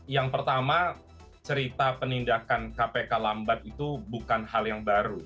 yang pertama cerita penindakan kpk lambat itu bukan hal yang baru